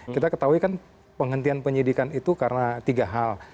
kita ketahui kan penghentian penyidikan itu karena tiga hal